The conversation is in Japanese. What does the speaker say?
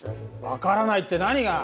分からないって何が？